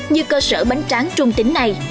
như cơ sở bánh tráng trung tính này